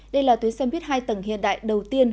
đây là tuyên xe bít hai tầng hiện đại đầu tiên